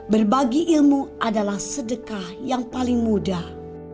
berbagi ilmu adalah sedekah yang paling mudah